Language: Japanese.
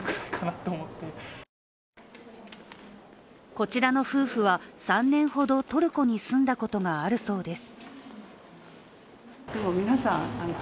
こちらの夫婦は３年ほどトルコに住んだことがあるそうです。